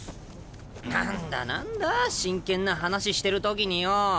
何だ何だ真剣な話してる時によ。